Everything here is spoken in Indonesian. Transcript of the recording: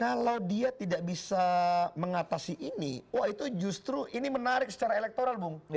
kalau dia tidak bisa mengatasi ini wah itu justru ini menarik secara elektoral bung